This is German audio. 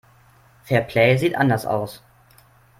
Fairplay sieht anders aus.